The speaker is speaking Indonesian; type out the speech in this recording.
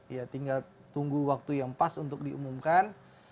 ya tinggal tunggu waktu yang pas untuk diumumkan